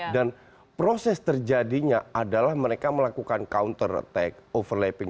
dan proses terjadinya adalah mereka melakukan counter attack overlapping